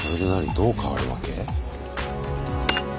どう変わるわけ？